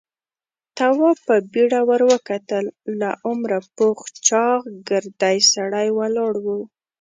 تواب په بيړه ور وکتل. له عمره پوخ چاغ، ګردی سړی ولاړ و.